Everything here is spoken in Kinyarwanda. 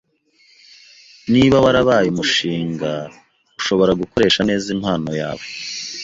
Niba warabaye umushinga, ushobora gukoresha neza impano yawe.